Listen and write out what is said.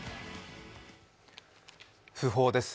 訃報です